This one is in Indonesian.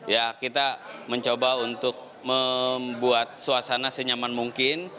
ya kita mencoba untuk membuat suasana senyaman mungkin